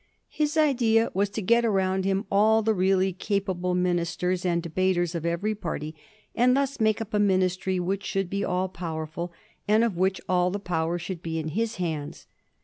His idea was to get around him all the really capable administrators and debaters of every party, and thus make up a Ministiy which should be all powerful, and of which all the power should be in his hands.